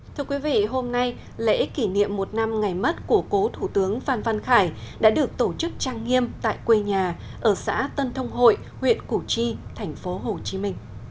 thưa quý vị hôm nay lễ kỷ niệm một năm ngày mất của cố thủ tướng phan văn khải đã được tổ chức trang nghiêm tại quê nhà ở xã tân thông hội huyện củ chi tp hcm